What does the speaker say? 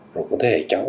rồi cái thế hệ cháu nữa